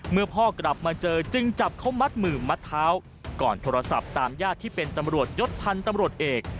เมื่อพ่อกลับมาเจอจึงจับเขามัดมือมัดเท้าก่อนโทรศัพท์ตามญาติที่เป็นตำรวจยศพันธ์ตำรวจเอก